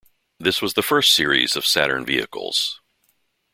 This was the first series of Saturn vehicles.